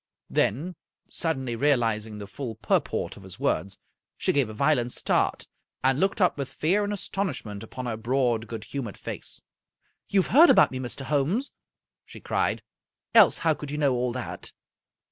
Then, suddenly realizing the full purport of his words, she gave a violent start, and looked up with fear and astonishment upon her broad, good humored face. " You've heard about me, Mr. Holmes," she cried, " else how could you know all that?